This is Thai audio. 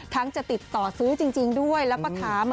ทั้งจะติดต่อซื้อจริงด้วยแล้วประถาม